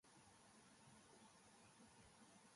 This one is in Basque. Gerla lehertu zenean, bi orritara mugatu zuen bere argitalpena.